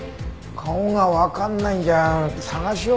顔がわかんないんじゃ捜しようがないよ。